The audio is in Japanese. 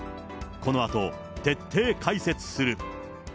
このあと徹底解説する。